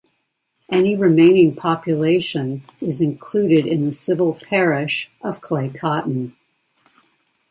Any remaining population is included in the civil parish of Clay Coton.